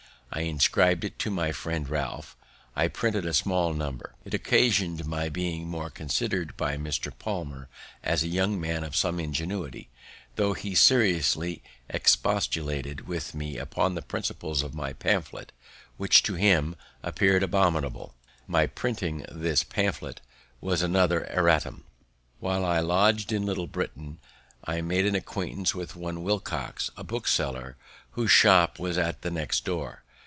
I inscribed it to my friend Ralph; I printed a small number. It occasion'd my being more consider'd by Mr. Palmer as a young man of some ingenuity, tho' he seriously expostulated with me upon the principles of my pamphlet, which to him appear'd abominable. My printing this pamphlet was another erratum. While I lodg'd in Little Britain, I made an acquaintance with one Wilcox, a bookseller, whose shop was at the next door.